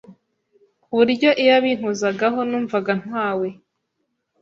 kuburyo iyo yabinkozagaho numvaga ntwawe.